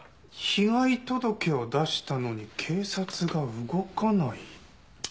被害届を出したのに警察が動かない？